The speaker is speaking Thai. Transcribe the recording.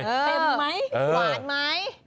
เต็มไหมหวานไหม